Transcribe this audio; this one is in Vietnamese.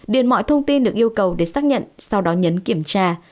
điền mọi thông tin được yêu cầu để xác nhận sau đó nhấn kiểm tra